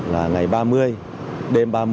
ngày ba mươi đêm ba mươi